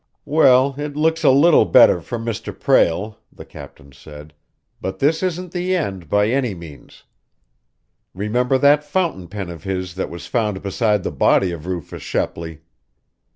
"Well, it looks a little better for Mr. Prale," the captain said, "but this isn't the end, by any means. Remember that fountain pen of his that was found beside the body of Rufus Shepley!"